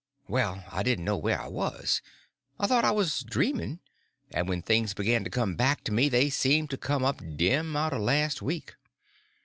First I didn't know where I was; I thought I was dreaming; and when things began to come back to me they seemed to come up dim out of last week.